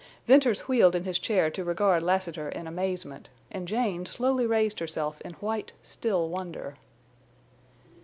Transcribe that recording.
Venters wheeled in his chair to regard Lassiter in amazement, and Jane slowly raised herself in white, still wonder.